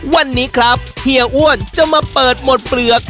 วันนี้ครับเฮียอ้วนจะมาเปิดหมดเปลือก